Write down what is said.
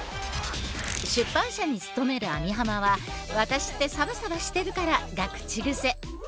出版社に勤める網浜は「ワタシってサバサバしてるから」が口癖。